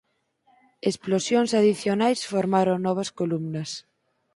Explosións adicionais formaron novas columnas.